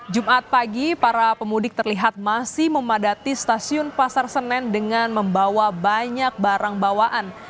jumat pagi para pemudik terlihat masih memadati stasiun pasar senen dengan membawa banyak barang bawaan